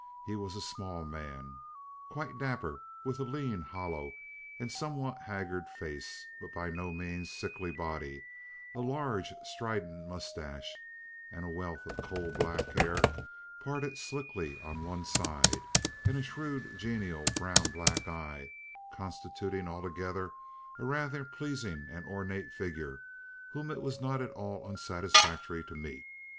He was a small man, quite dapper, with a lean, hollow, and somewhat haggard face, but by no means sickly body, a large, strident mustache, a wealth of coal black hair parted slickly on one side, and a shrewd, genial brown black eye—constituting altogether a rather pleasing and ornate figure whom it was not at all unsatisfactory to meet.